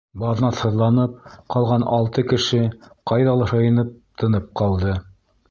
Баҙнатһыҙланып ҡалған алты кеше, ҡайҙалыр һыйынып, тынып ҡалды.